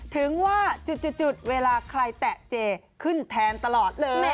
ถึงว่าจุดเวลาใครแตะเจขึ้นแทนตลอดเลย